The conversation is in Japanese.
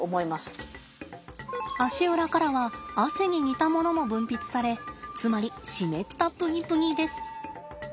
足裏からは汗に似たものも分泌されつまり湿ったプニプニです。